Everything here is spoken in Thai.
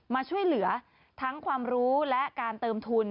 มาช่วยเหลือทั้งความรู้และการเติมทุน